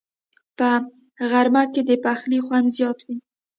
په غرمه کې د پخلي خوند زیات وي